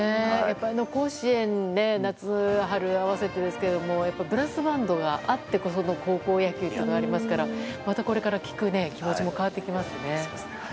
甲子園で夏春合わせてですがブラスバンドがあってこその高校野球というのがありますからこれから聴く気持ちも変わってきますね。